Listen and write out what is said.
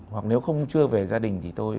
hoặc nếu không chưa về gia đình thì tôi